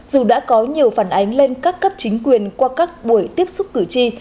dù đã có nhiều phản ánh lên các cấp chính quyền qua các buổi tiếp xúc cử tri